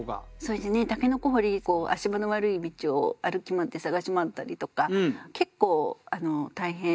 たけのこ掘足場の悪い道を歩き回って探し回ったりとか結構大変で。